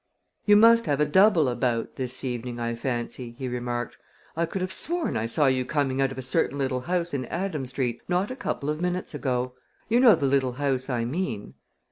"You must have a double about this evening, I fancy," he remarked. "I could have sworn I saw you coming out of a certain little house in Adam Street not a couple of minutes ago. You know the little house I mean?"